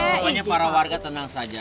pokoknya para warga tenang saja